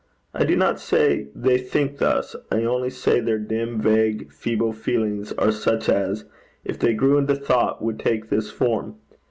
I do not say they think thus: I only say their dim, vague, feeble feelings are such as, if they grew into thought, would take this form.